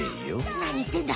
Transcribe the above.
何いってんだ。